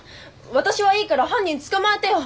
私はいいから犯人捕まえてよ！